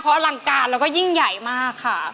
เพราะอลังการเราก็ยิ่งใหญ่มากค่ะ